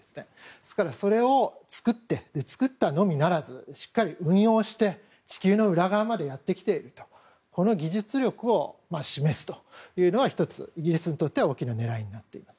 ですから、それを作って作ったのみならずしっかり運用して地球の裏側までやってきているというこの技術力を示すというのが１つ、イギリスにとって大きな狙いになっています。